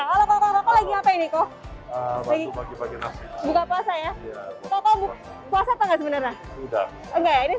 ini adalah potret kerupunan dan toleransi yang sangat ketat di uyara dharma bakti